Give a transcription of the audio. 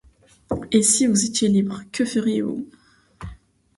Et, si vous étiez libre, que feriez-vous ?